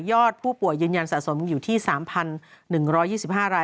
อดผู้ป่วยยืนยันสะสมอยู่ที่๓๑๒๕ราย